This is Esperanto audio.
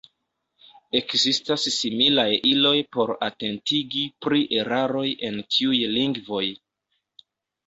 Ekzistas similaj iloj por atentigi pri eraroj en tiuj lingvoj.